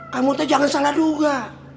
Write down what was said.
kamu tuh jangan salah duga